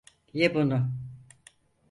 Ye bunu!